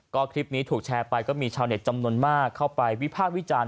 ก็คลิปนี้ถูกแชร์ไปก็มีชาวเน็ตจำนวนมากเข้าไปวิพากษ์วิจารณ์